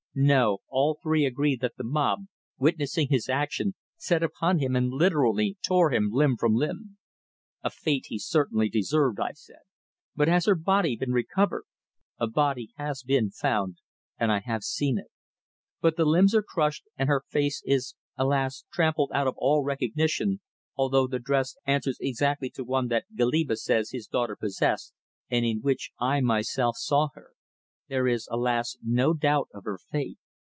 "No. All three agree that the mob, witnessing his action, set upon him and literally tore him limb from limb." "A fate he certainly deserved," I said. "But has her body been recovered?" "A body has been found and I have seen it. But the limbs are crushed, and her face is, alas! trampled out of all recognition, although the dress answers exactly to one that Goliba says his daughter possessed, and in which I myself saw her. There is, alas! no doubt of her fate.